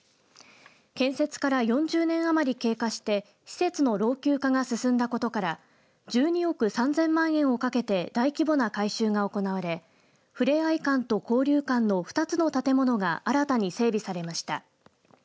建設から４０年余り経過して施設の老朽化が進んだことから１２億３０００万円をかけて大規模な改修が行われふれあい館と交流館の２つの建物が新たに整備されました。